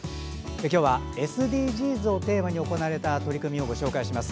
今日はＳＤＧｓをテーマに行われた取り組みをご紹介します。